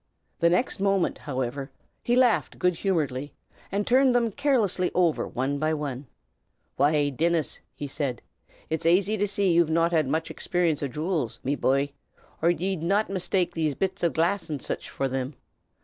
The next moment, however, he laughed good humoredly and turned them carelessly over one by one. "Why, Dinnis," he said, "'tis aisy to see that ye've not had mich expeerunce o' jew'ls, me bye, or ye'd not mistake these bits o' glass an' sich fer thim.